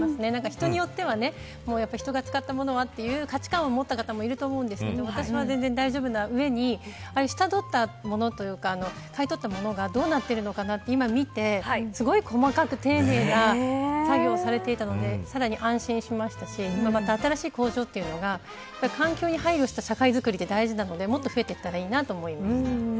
人によっては、人が使ったものはという価値感を持った方もいると思うんですけど私は全然大丈夫な上に買い取ったものがどうなっているのかを見てすごい細かく丁寧な作業をされていたのでさらに安心しましたし新しい工場というのが環境に配慮した社会作りは大切なのでもっと増えたらいいなと思います。